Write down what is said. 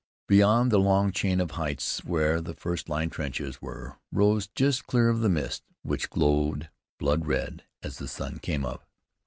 Beyond, the long chain of heights where the first line trenches were rose just clear of the mist, which glowed blood red as the sun came up.